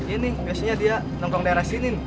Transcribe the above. ini biasanya dia nongkrong daerah sini